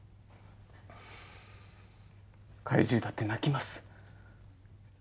怪獣だって泣きます。